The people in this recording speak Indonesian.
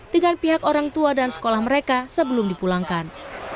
dengan pihak orang tua dan sekolah mereka sebelum dipulangkan